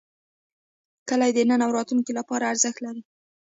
کلي د نن او راتلونکي لپاره ارزښت لري.